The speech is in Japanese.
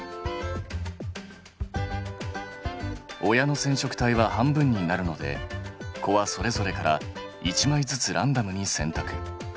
親の染色体は半分になるので子はそれぞれから１枚ずつランダムに選択。